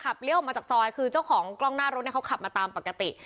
เลี้ยวออกมาจากซอยคือเจ้าของกล้องหน้ารถเนี่ยเขาขับมาตามปกติ